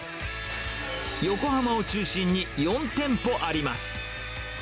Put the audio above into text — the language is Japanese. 横浜を中心に４店舗あります。